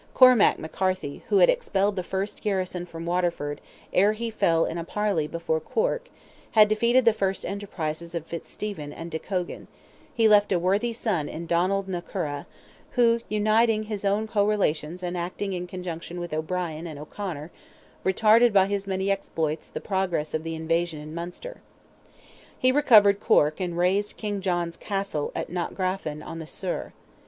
Cormac McCarthy, who had expelled the first garrison from Waterford, ere he fell in a parley before Cork, had defeated the first enterprises of Fitzstephen and de Cogan; he left a worthy son in Donald na Curra, who, uniting his own co relations, and acting in conjunction with O'Brien and O'Conor, retarded by his many exploits the progress of the invasion in Munster. He recovered Cork and razed King John's castle at Knockgraffon on the Suir.